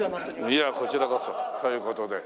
いやこちらこそという事で。